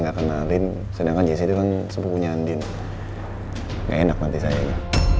nggak kenalin sedangkan jc itu kan sepupunya andin gak enak nanti sayanya